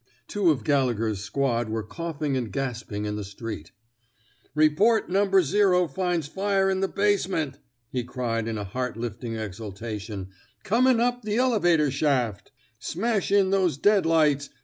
Two of GfiUegher's squad were coughing and gasping in the street. Report No. finds fire in the basement,'* he cried in a heart lifting exultation; comin* up th' elevator shaft I ... Smash in those dead lights.